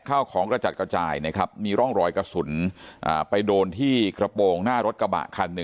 ข้าวของกระจัดกระจายนะครับมีร่องรอยกระสุนไปโดนที่กระโปรงหน้ารถกระบะคันหนึ่ง